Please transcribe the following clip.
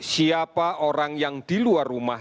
siapa orang yang di luar rumah